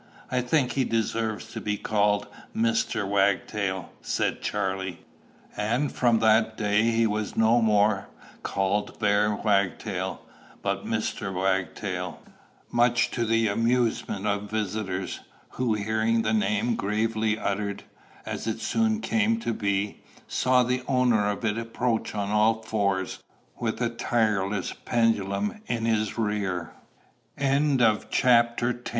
"I think he deserves to be called Mr. Wagtail," said Charley. And from that day he was no more called bare Wagtail, but Mr. Wagtail, much to the amusement of visitors, who, hearing the name gravely uttered, as it soon came to be, saw the owner of it approach on all fours, with a tireless pendulum in his re